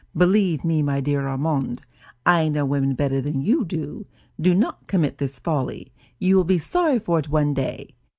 Believe me, my dear Armand, I know women better than you do; do not commit this folly; you will be sorry for it one day.